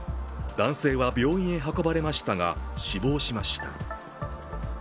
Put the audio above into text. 男性は病院へ運ばれましたが死亡しました。